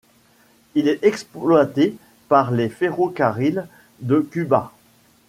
Il est exploité par les Ferrocarriles de Cuba.